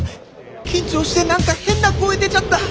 緊張して何か変な声出ちゃった。